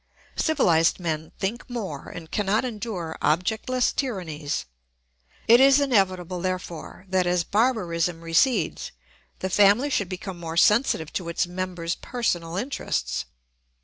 Civilised men think more and cannot endure objectless tyrannies. It is inevitable, therefore, that as barbarism recedes the family should become more sensitive to its members' personal interests.